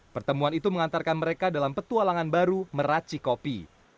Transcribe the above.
pertemuan itu mengantarkan mereka dalam petualangan baru meraci kopi